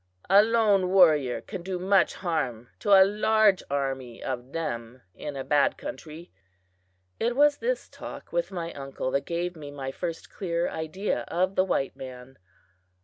A lone warrior can do much harm to a large army of them in a bad country." It was this talk with my uncle that gave me my first clear idea of the white man.